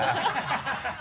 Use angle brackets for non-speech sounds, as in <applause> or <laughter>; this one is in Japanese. ハハハ <laughs>